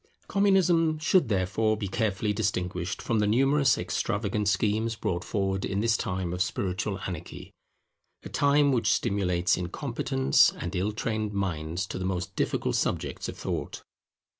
Communism should therefore be carefully distinguished from the numerous extravagant schemes brought forward in this time of spiritual anarchy; a time which stimulates incompetent and ill trained minds to the most difficult subjects of thought.